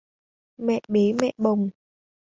Mẹ bế mẹ bồng